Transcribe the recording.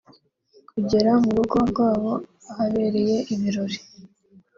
kugera mu rugo rwabo ahabereye ibirori